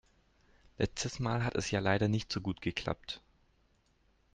Letztes Mal hat es ja leider nicht so gut geklappt.